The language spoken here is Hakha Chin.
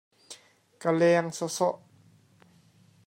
Ka leng sawsawh.